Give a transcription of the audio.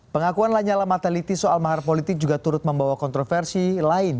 pengakuan lanyala mateliti soal mahar politik juga turut membawa kontroversi lain